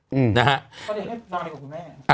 ก็เดี๋ยวให้นายกับคุณแม่